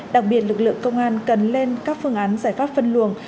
đặc biệt lực lượng công an cần lên các phương án giải pháp phân luồng